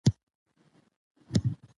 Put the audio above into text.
له بارونو له زخمونو له ترټلو